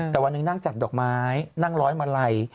แต่วันหนึ่งนั่งจัดดอกไม้นั่งร้อยมาลัย